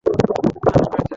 আমি বাড়িতে যাচ্ছি।